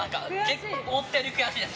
思ったより悔しいです